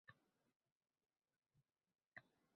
Hatto shuncha bitiklaru suratlar ham